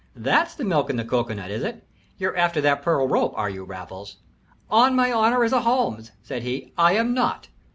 "That's the milk in the cocoanut, is it? You're after that pearl rope, are you, Raffles?" "On my honor as a Holmes," said he, "I am not.